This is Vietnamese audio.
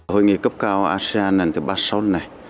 hội nghị cấp cao asean năm hai nghìn một mươi sáu này